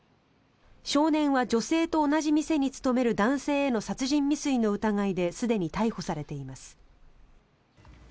少年は女性と同じ店に勤める男性への殺人未遂の疑いですでに逮捕されています。